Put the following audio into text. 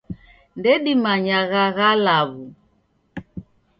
Ndedimanyagha gha law'u.